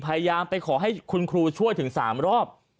พยายามไปขอให้คุณครูช่วยถึง๓รอบ